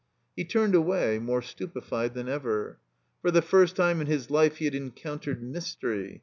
He turned away, more stupefied than ever. For the first time in his life he had encountered mystery.